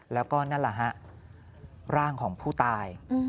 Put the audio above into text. แล้วก็นั่นแหละฮะร่างของผู้ตาย